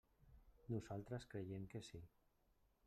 Nosaltres creiem que sí.